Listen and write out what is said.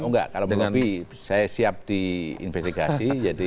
oh enggak kalau melobi saya siap diinvestigasi